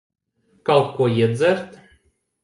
Kaut ko iedzert?